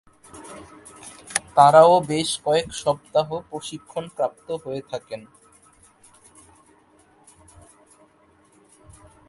তারাও বেশ কয়েক সপ্তাহ প্রশিক্ষণপ্রাপ্ত হয়ে থাকেন।